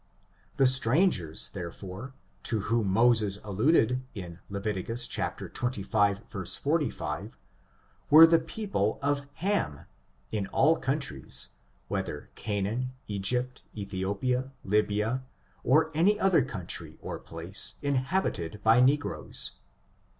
The strangers, therefore, to whom Moses alluded in Levit. xxv, 45, were the people of Ham, in all countries, whether Canaan, E^ypt, Ethiopia, Lybia, or any other country or place inhabited by negroes.